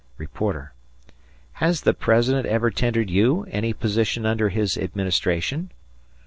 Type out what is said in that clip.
... Reporter: "Has the President ever tendered you any position under his administration?"